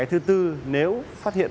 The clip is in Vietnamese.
thứ tư nếu phát hiện